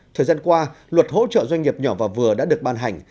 thời gian qua luật hỗ trợ doanh nghiệp nhỏ và vừa đã được ban hành